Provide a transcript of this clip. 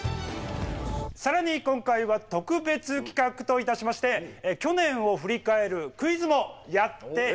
さらに今回は特別企画といたしまして去年を振り返るクイズもやっていきたいと思っております。